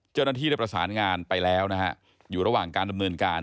เจ้าหน้าที่ได้ประสานงานไปแล้วนะฮะอยู่ระหว่างการดำเนินการ